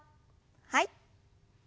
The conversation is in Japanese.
はい。